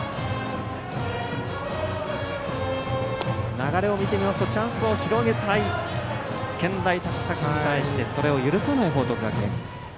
流れを見てみますとチャンスを広げたい健大高崎に対しそれを許さない報徳学園。